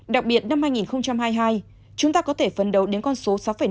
hiện năm hai nghìn hai mươi hai chúng ta có thể phấn đấu đến con số sáu năm gdp